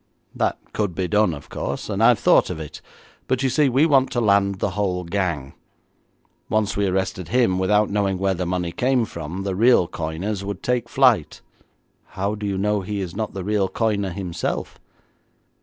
'That could be done, of course, and I've thought of it, but you see, we want to land the whole gang. Once we arrested him, without knowing where the money came from, the real coiners would take flight.' 'How do you know he is not the real coiner himself?'